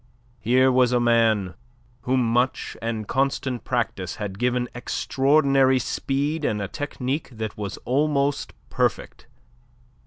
Here was a man whom much and constant practice had given extraordinary speed and a technique that was almost perfect.